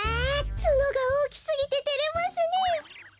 ツノがおおきすぎててれますねえ。